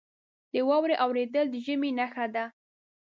• د واورې اورېدل د ژمي نښه ده.